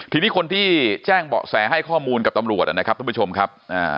ทีนี้คนที่แจ้งเบาะแสให้ข้อมูลกับตำรวจนะครับท่านผู้ชมครับ